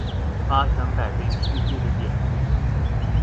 發想改變世界的點子